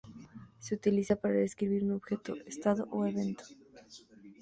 Se utiliza para describir un objeto, estado o evento.